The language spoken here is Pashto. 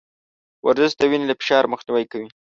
ورزش د وينې له فشار مخنيوی کوي.